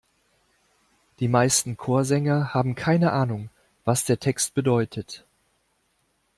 Die meisten Chorsänger haben keine Ahnung, was der Text bedeutet.